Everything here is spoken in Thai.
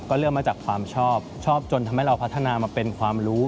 ก็เริ่มมาจากความชอบชอบจนทำให้เราพัฒนามาเป็นความรู้